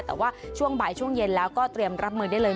แต่ว่าช่วงบ่ายช่วงเย็นแล้วก็เตรียมรับมือได้เลย